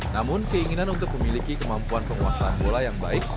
namun keinginan untuk memiliki kemampuan penguasaan bola yang baik